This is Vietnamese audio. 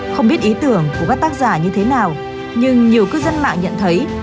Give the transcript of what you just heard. không biết ý tưởng của các tác giả như thế nào nhưng nhiều cư dân mạng nhận thấy